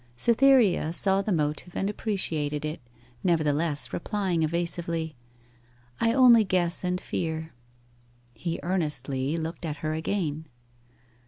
Cytherea saw the motive and appreciated it, nevertheless replying evasively 'I only guess and fear.' He earnestly looked at her again.